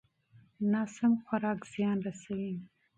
ناسم خوراک زیان رسوي.